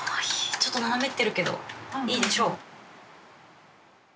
ちょっと斜めってるけどいいでしょう。